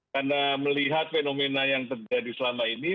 karena melihat fenomena yang terjadi selama ini